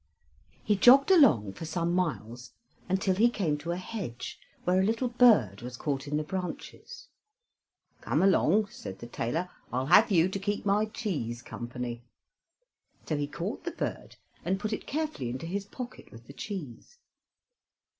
He jogged along for some miles until he came to a hedge, where a little bird was caught in the branches. "Come along," said the tailor; "I'll have you to keep my cheese company"; so he caught the bird and put it carefully into his pocket with the cheese.